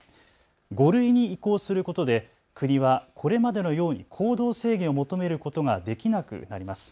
５類に移行することで国はこれまでのように行動制限を求めることができなくなります。